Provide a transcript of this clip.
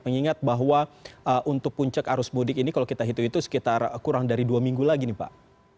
mengingat bahwa untuk puncak arus mudik ini kalau kita hitung itu sekitar kurang dari dua minggu lagi nih pak